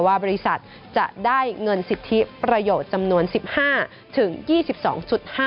บริษัทจะได้เงินสิทธิประโยชน์จำนวน๑๕๒๒๕